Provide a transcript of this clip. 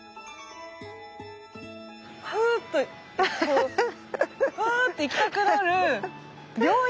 ふっとこうふわって行きたくなる病院！？